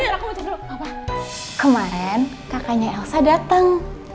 bapak kemarin kakaknya elsa dateng